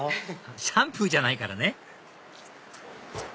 シャンプーじゃないからね